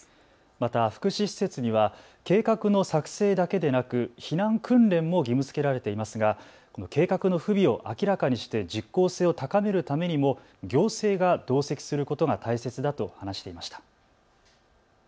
また福祉施設には計画の作成だけでなく避難訓練も義務づけられていますが計画の不備を明らかにして実効性を高めるためにも行政が同席することが大切だと話していました。